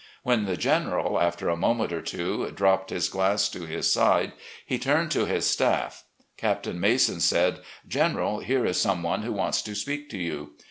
When the General, after a moment or two, dropped his glass to his side, and turned to his staff, Captain Mason said: " General, here is some one who wants to speak to you."